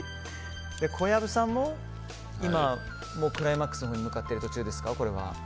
小籔さんもクライマックスへ向かっている途中ですか。